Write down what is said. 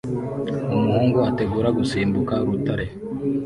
umuhungu ategura gusimbuka urutare